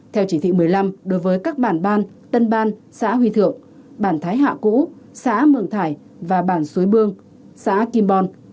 theo chỉ thị một mươi năm đối với các bản ban tân ban xã huy thượng bản thái hạ cũ xã mường thải và bản suối bương xã kim bon